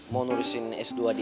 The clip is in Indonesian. mau nurisin s dua di amrik